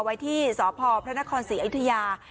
ไว้ที่สพพระนครศรีอยุธยา